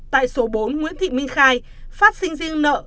tại số bốn nguyễn thị minh khai phát sinh riêng nợ